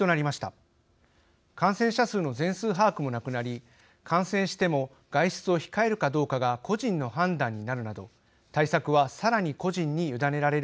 感染者数の全数把握もなくなり感染しても外出を控えるかどうかが個人の判断になるなど対策はさらに個人に委ねられることになります。